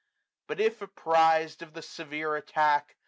But if, apprized of the severe attack.